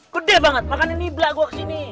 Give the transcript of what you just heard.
gede banget makanya nih belak gua kesini